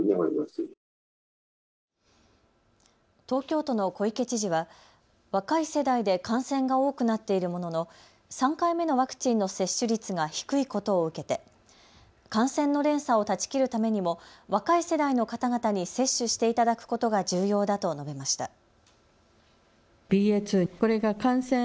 東京都の小池知事は若い世代で感染が多くなっているものの３回目のワクチンの接種率が低いことを受けて感染の連鎖を断ち切るためにも若い世代の方々に接種していただくことが重要だと述べました。